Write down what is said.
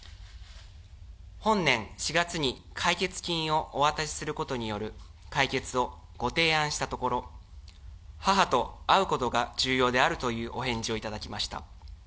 本年４月に解決金をお渡しすることによる解決をご提案したところ、母と会うことが重要であるというお返事を頂きました。